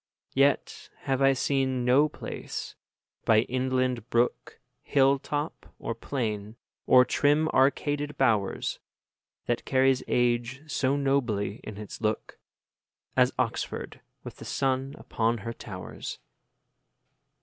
10 Yet have I seen no place, by inland brook, Hill top, or plain, or trim arcaded bowers, That carries age so nobly in its look, As Oxford with the sun upon her towers.